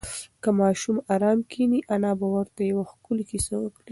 که ماشوم ارام کښېني، انا به ورته یوه ښکلې کیسه وکړي.